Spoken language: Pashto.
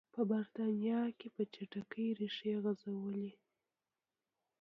په برېټانیا کې په چټکۍ ریښې غځولې.